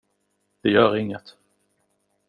Det gör inget.